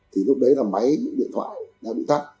thì lúc đấy là máy điện thoại đã bị tắt